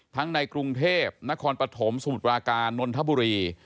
ในกรุงเทพนครปฐมสมุทรปราการนนทบุรี